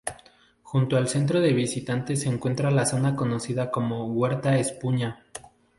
Junto al Centro de visitantes se encuentra la zona conocida como Huerta Espuña.